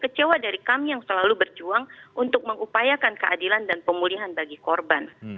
kecewa dari kami yang selalu berjuang untuk mengupayakan keadilan dan pemulihan bagi korban